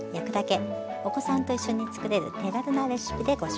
お子さんと一緒に作れる手軽なレシピでご紹介します。